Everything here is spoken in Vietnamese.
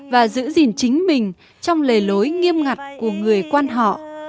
và giữ gìn chính mình trong lề lối nghiêm ngặt của người quan họ